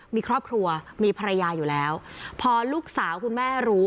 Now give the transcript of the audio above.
มีครอบครัวมีภรรยาอยู่แล้วพอลูกสาวคุณแม่รู้